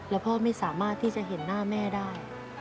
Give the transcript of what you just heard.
แล้วพ่อไม่สามารถที่จะเห็นหน้าแม่ได้